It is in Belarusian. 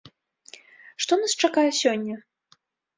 Што нас чакае сёння?